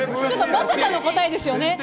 ちょっとまさかの答えですよね。